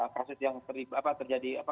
kasus yang terjadi